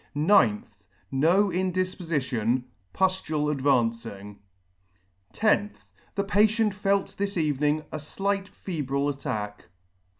9th. No indifpofition ; puftule advancing. 10th. The patient felt this evening a flight febrile attack.